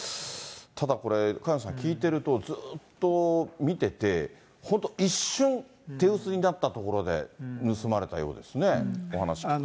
ただこれ、萱野さん、聞いていると、ずっと見てて、本当、一瞬手薄になったところで、盗まれたようですね、お話聞くと。